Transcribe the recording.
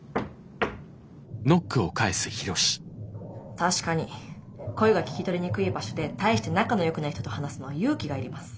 確かに声が聞き取りにくい場所で対して仲のよくない人と話すのは勇気がいります。